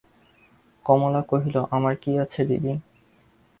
কমলা কহিল, আমার কী আছে দিদি?